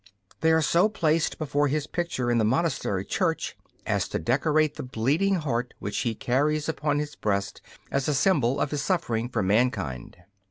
They are so placed before his picture in the monastery church as to decorate the bleeding heart which he carries upon his breast as a symbol of his suffering for mankind.